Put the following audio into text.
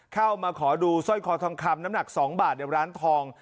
เข้ามาขอดูสร้อยคอทองคำน้ำหนัก๒บาทในร้านทอง